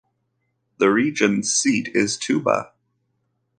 The region's seat is Touba.